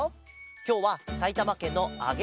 きょうはさいたまけんのあげ